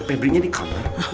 febri nya di kamar